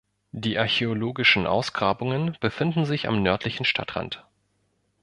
Die archäologischen Ausgrabungen befinden sich am nördlichen Stadtrand.